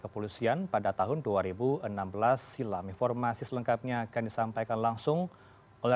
kepolisian pada tahun dua ribu enam belas silam informasi selengkapnya akan disampaikan langsung oleh